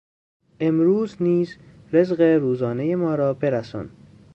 امروز نیز رزق روزانهی ما را برسان